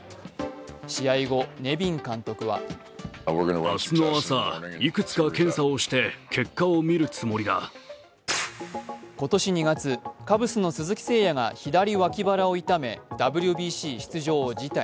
試合後、ネビン監督は今年２月、カブスの鈴木誠也が左脇腹を痛め、ＷＢＣ出場を辞退。